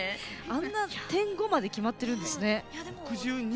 あんなに決まってるんですね。